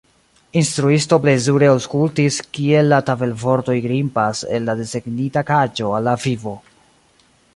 Instruisto plezure aŭskultis kiel la tabelvortoj grimpas el la desegnita kaĝo al la vivo.